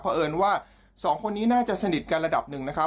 เพราะเอิญว่าสองคนนี้น่าจะสนิทกันระดับหนึ่งนะครับ